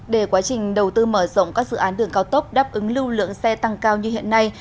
để quá trình đầu tư mở rộng các dự án đường cao tốc đáp ứng lưu lượng xe tăng cao như hiện nay